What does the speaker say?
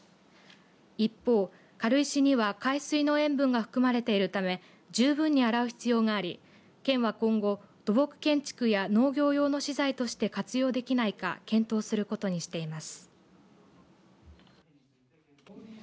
一方、軽石には海水の塩分が含まれているため十分に洗う必要があり県は今後、土木建築や農業用の資材として活用できないか検討することにしています。